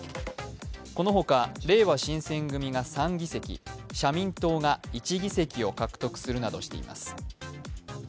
このほか、れいわ新選組が３議席、社民党が１議席を獲得するなどしています。